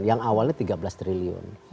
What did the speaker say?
yang awalnya tiga belas triliun